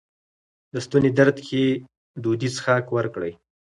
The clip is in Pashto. د ستوني درد کې تودې څښاک ورکړئ.